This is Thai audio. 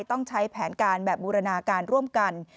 ต้องใช้แผนการแบบบูรณาการร่วมกัน